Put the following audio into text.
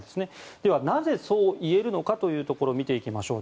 ではなぜ、そう言えるのかというところを見ていきましょう。